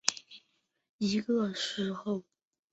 一般涨满潮至刚退潮之间是观察良时。